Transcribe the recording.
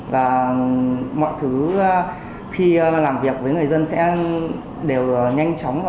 và mọi thứ khi làm việc với người dân sẽ đều nhanh chóng